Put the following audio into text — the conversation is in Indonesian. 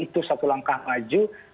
itu satu langkah maju